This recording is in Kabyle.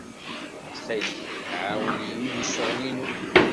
Ttxil-k, ɛawen-iyi deg ccɣel-inu.